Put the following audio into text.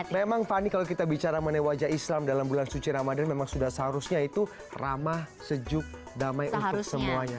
memang fani kalau kita bicara mengenai wajah islam dalam bulan suci ramadan memang sudah seharusnya itu ramah sejuk damai untuk semuanya